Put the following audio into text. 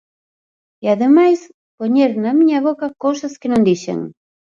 E ademais poñer na miña boca cousas que non dixen.